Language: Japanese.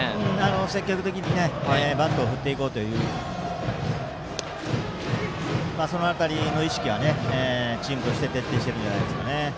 積極的にバットを振っていこうというその辺りの意識はチームとして徹底しているんじゃないですかね。